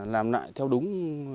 làm lại theo đúng